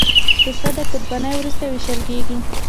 پسه د قربانۍ وروسته وېشل کېږي.